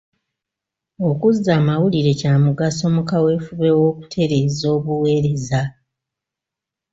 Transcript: Okuzza amawulire kya mugaso mu kaweefube w'okutereeza obuweereza.